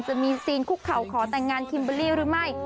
ซีนคุกเข่าขอแต่งงานคิมเบอร์รี่หรือไม่